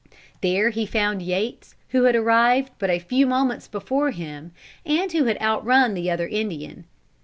There he found Yates who had arrived but a few moments before him, and who had outrun the other Indian.